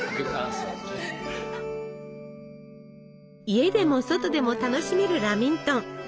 家でも外でも楽しめるラミントン。